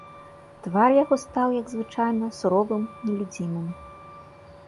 Твар яго стаў, як звычайна, суровым, нелюдзімым.